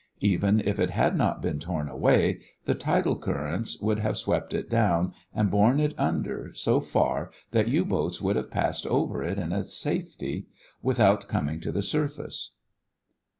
Even if it had not been torn away, the tidal currents would have swept it down and borne it under so far that U boats could have passed over it in safety without coming to the surface.